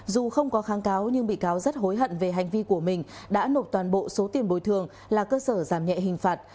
dù không có kháng cáo nhưng bị cáo rất hối hận về hành vi của mình đã nộp toàn bộ số tiền bồi thường là cơ sở giảm nhẹ hình phạt